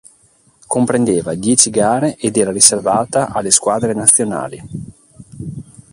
Comprendeva dieci gare ed era riservata alle squadre nazionali.